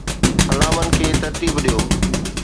علامن کي ترتيب ڏيو